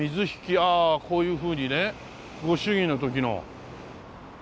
ああこういうふうにねご祝儀の時の。